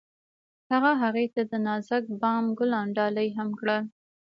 هغه هغې ته د نازک بام ګلان ډالۍ هم کړل.